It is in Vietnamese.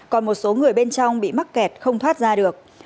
còn một số người bên trong bị mắc kẹt không thoát ra được